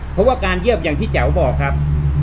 เพราะว่าการเยี่ยมอย่างที่แจ๋วบอกครับ